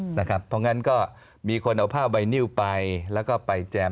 เพราะงั้นก็มีคนเอาผ้าใบนิ้วไปแล้วก็ไปแจม